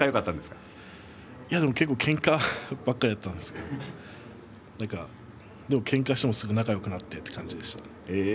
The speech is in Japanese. よくけんかばかりだったんですけどけんかをしても、すぐ仲よくなるという感じでした。